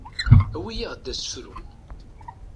Awi-yaɣ-d asefru.